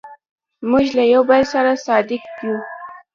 موږ له یو بل سره صادق یو.